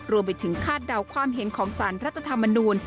รวมไปถึงคาดเดาความเห็นของสารรัฐธรรมนูล